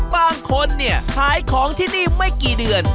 บางคนเนี่ยขายของที่นี่ไม่กี่เดือน